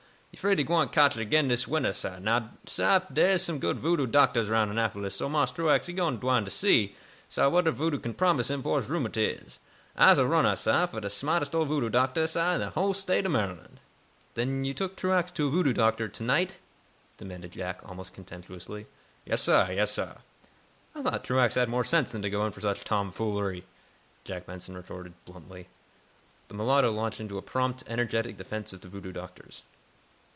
He 'fraid he gwine cotch it again dis wintah, sah. Now, sah, dere am some good voodoo doctahs 'roun' Annapolis, so Marse Truax, he done gwine to see, sah, what er voodoo can promise him fo' his rheumatiz. I'se a runnah, sah, for de smahtest ole voodoo doctah, sah, in de whole state ob Maryland." "Then you took Truax to a voodoo doctor to night?" demanded Jack, almost contemptuously. "Yes, sah; yes, sah." "I thought Truax had more sense than to go in for such tomfoolery," Jack Benson retorted, bluntly. The mulatto launched into a prompt, energetic defense of the voodoo doctors.